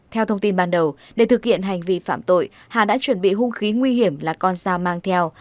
theo thông tin ban đầu để thực hiện hành vi phạm tội hà đã chuẩn bị hung khí nguy hiểm là con dao mang theo